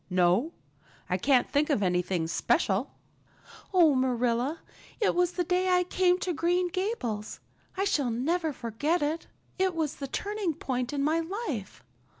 "No, I can't think of anything special." "Oh, Marilla, it was the day I came to Green Gables. I shall never forget it. It was the turning point in my life.